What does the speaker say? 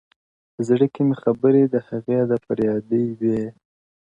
په زړه کي مي خبري د هغې د فريادي وې!!